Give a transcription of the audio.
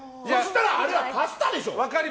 あれはパスタでしょ！